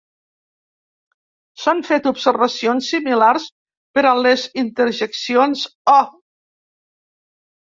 S'han fet observacions similars per a les interjeccions "Oh!"